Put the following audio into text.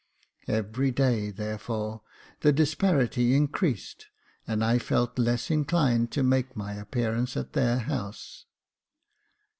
Every day, therefore, the disparity in creased, and I felt less inclined to make my appearance at their house.